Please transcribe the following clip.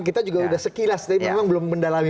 kita juga sudah sekilas tapi memang belum mendalami